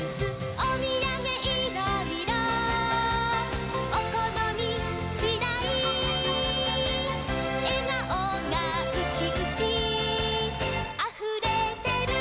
「おみやげいろいろおこのみしだい」「えがおがウキウキあふれてる」